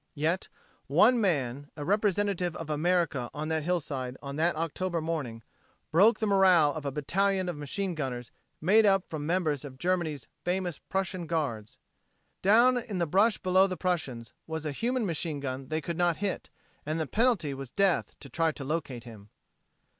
Yet, one man, a representative of America on that hillside on that October morning, broke the morale of a battalion of machine gunners made up from members of Germany's famous Prussian Guards. Down in the brush below the Prussians was a human machine gun they could not hit, and the penalty was death to try to locate him.